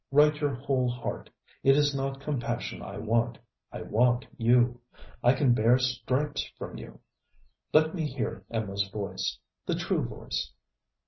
Write your whole heart. It is not compassion I want, I want you. I can bear stripes from you. Let me hear Emma's voice the true voice.